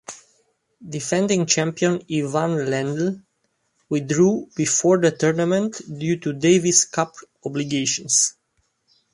Defending champion Ivan Lendl withdrew before the tournament due to Davis Cup obligations.